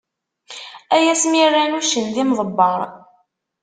Ay asmi rran uccen d imḍebber!